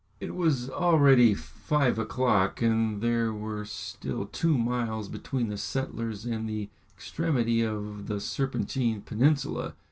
It was already five o'clock, and there were still two miles between the settlers and the extremity of the Serpentine peninsula.